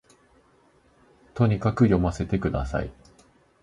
とにかく読ませて下さい